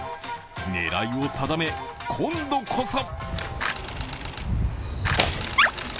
狙いを定め、今度こそ！